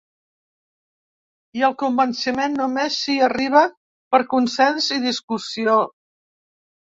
I al convenciment només s’hi arriba per consens i discussió.